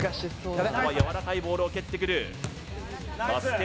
ここはやわらかいボールを蹴ってくるバスケ